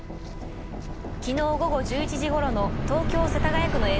昨日午後１１時ごろの東京・世田谷区の映像です。